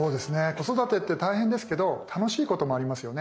子育てって大変ですけど楽しいこともありますよね。